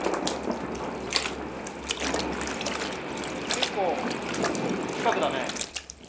結構、近くだね。